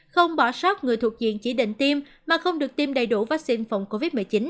không bỏ sót người thuộc diện chỉ định tiêm mà không được tiêm đầy đủ vaccine phòng covid một mươi chín